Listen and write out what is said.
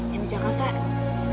yang di jakarta